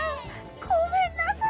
ごめんなさい！